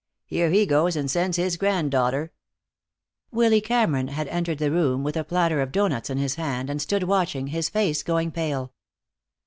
Here he goes and sends his granddaughter " Willy Cameron had entered the room with a platter of doughnuts in his hand, and stood watching, his face going pale.